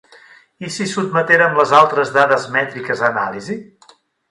I si sotmetérem les altres dades mètriques a anàlisi?